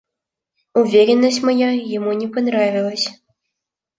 Уверенность моя ему не понравилась.